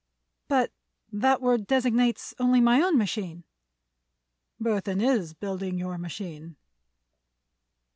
"But that word designates only my own machine." "Burthon is building your machine."